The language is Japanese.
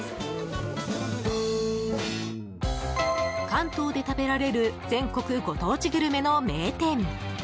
関東で食べられる全国ご当地グルメの名店。